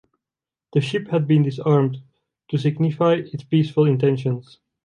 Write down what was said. The ship had been disarmed to signify its peaceful intentions.